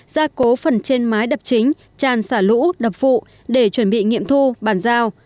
gia cố phần trên mái đập chính tràn xả lũ đập vụ để chuẩn bị nghiệm thu bàn giao